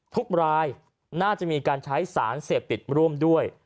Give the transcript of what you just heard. ทุกรายน่าจะมีการใช้สารเสพติดร่วมด้วย